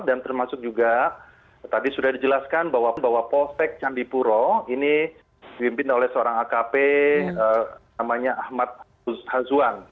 dan termasuk juga tadi sudah dijelaskan bahwa polsek candipuro ini diimpin oleh seorang akp namanya ahmad huzhazwan